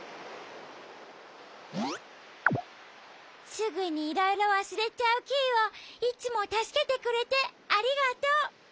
すぐにいろいろわすれちゃうキイをいつもたすけてくれてありがとう。